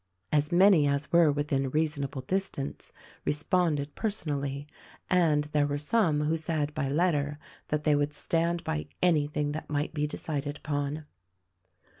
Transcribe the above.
As many as were within reasonable distance responded personally, and there were some who said by letter that they would stand by anything that might be decided upon.